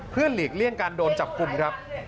เพื่อหลีกเลี่ยงการโดนจับกลุ่มครับ